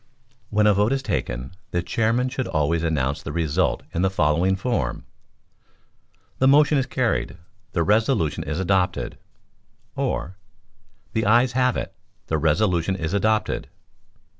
When a vote is taken, the Chairman should always announce the result in the following form: "The motion is carried—the resolution is adopted," or, "The ayes have it—the resolution is adopted."